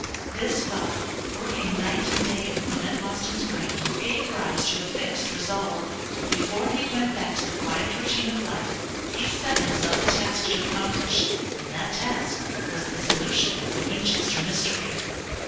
This thought, working night and day in Clement Austin's brain, gave rise to a fixed resolve. Before he went back to the quiet routine of life, he set himself a task to accomplish, and that task was the solution of the Winchester mystery.